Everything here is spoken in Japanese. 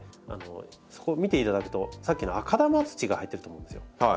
そこ見ていただくとさっきの赤玉土が入ってると思うんですよ。